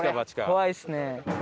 怖いですね。